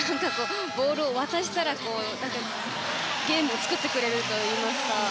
ボールを渡したらゲームを作ってくれるというか。